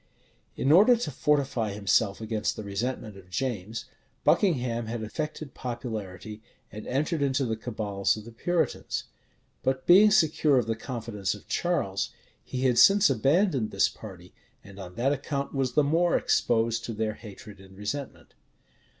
In order to fortify himself against the resentment of James, Buckingham had affected popularity, and entered into the cabals of the Puritans: but, being secure of the confidence of Charles, he had since abandoned this party; and on that account was the more exposed to their hatred and resentment.